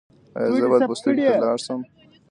ایا زه باید پوستې ته لاړ شم؟